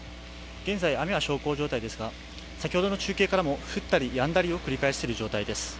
現在、雨は小康状態ですが先ほどの中継からも降ったりやんだりを繰り返している状況です。